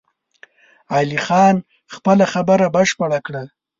علي خان خپله خبره بشپړه کړه!